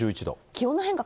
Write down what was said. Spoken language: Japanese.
気温の変化